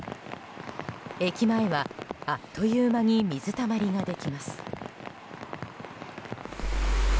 駅前は、あっという間に水たまりができます。